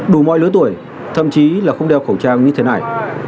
đủ mọi lứa tuổi thậm chí là không đeo khẩu trang như thế này